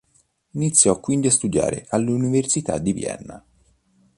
Iniziò quindi a studiare all'Università di Vienna.